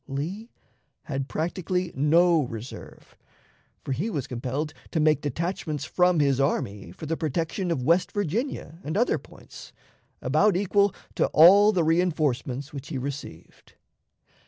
Lee had practically no reserve, for he was compelled to make detachments from his army for the protection of West Virginia and other points, about equal to all the reënforcements which he received.